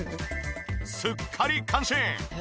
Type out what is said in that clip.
すっかり感心。